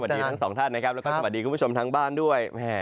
สวัสดีทั้งสองท่านนะครับและสวัสดีคุณผู้ชมทั้งบ้านด้วย